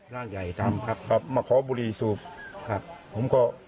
ร่างใหญ่ทำครับครับมาขอบุรีสูบครับผมก็